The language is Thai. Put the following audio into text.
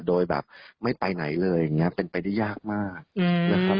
โดยแบบไม่ไปไหนเลยอย่างนี้เป็นไปได้ยากมากนะครับ